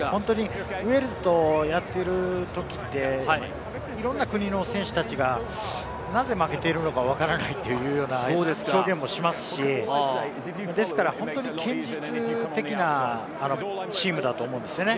ウェールズとやっているときっていろんな国の選手たちがなぜ負けているのか、わからないというような表現もしますし、ですから本当に堅実的なチームだと思うんですよね。